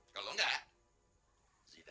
kalau tidak zidane